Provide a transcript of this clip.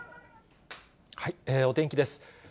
お天気です。